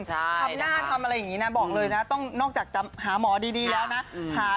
ทำหน้าทำอะไรอย่างนี้นะบอกเลยนะต้องนอกจากจะหาหมอดีแล้วนะ